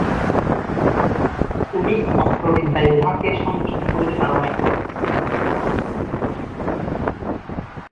তুমি অস্ত্রবিদ্যায় উঁহাকে সন্তুষ্ট করিতে পার নাই?